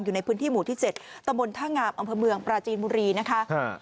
อยู่ในพื้นที่หมู่ที่เจ็ดตำบลท่างามอำเภอเมืองปราจีนบุรีนะคะ